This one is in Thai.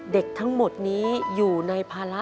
เด็กทั้งหมดนี้อยู่ในภาระ